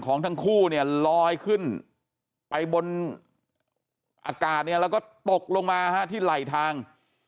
ทั้งคู่เนี่ยลอยขึ้นไปบนอากาศเนี่ยแล้วก็ตกลงมาที่ไหลทาง